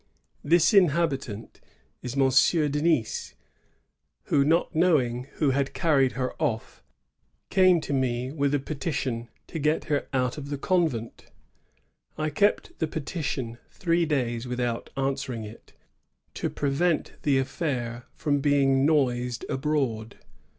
This inhabitant is M. Denis, who, not knowing who had carried her off, came to me with a petition to get her out of the convent. I kept the petition three days without answering it, to prevent the affair from being noised abroad.